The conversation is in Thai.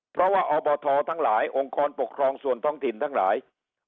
เพราะว่าอบททั้งหลายองค์กรปกครองส่วนท้องถิ่นทั้งหลาย